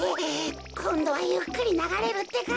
こんどはゆっくりながれるってか。